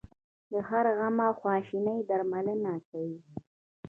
د هر غم او خواشینۍ درملنه کوي.